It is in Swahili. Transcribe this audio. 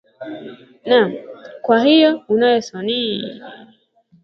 Na, kwa hivyo unayo soni